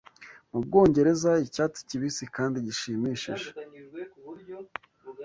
Mu Bwongereza icyatsi kibisi kandi gishimishije